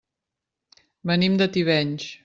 Venim de Tivenys.